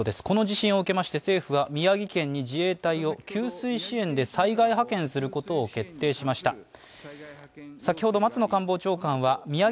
この地震を受けまして政府は宮城県に自衛隊を給水支援で災害派遣することを決定しました。